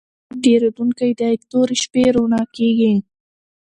بد حالت تېرېدونکى دئ؛ توري شپې رؤڼا کېږي.